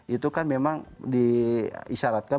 itu kan memang diisyaratkan